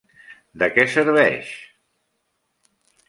De què serveix?